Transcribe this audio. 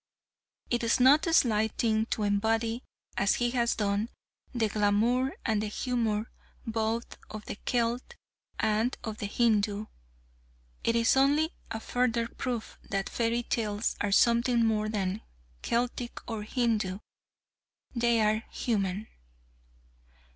It is no slight thing to embody, as he has done, the glamour and the humour both of the Celt and of the Hindoo. It is only a further proof that Fairy Tales are something more than Celtic or Hindoo. They are human.